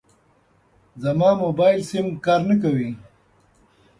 زما موبایل سم کار نه کوي.